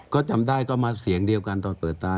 ก็จำได้ก็มาเสียงเดียวกันตอนเปิดตา